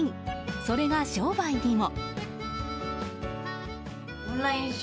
それが商売にも。